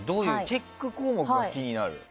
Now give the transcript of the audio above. チェック項目が気になる。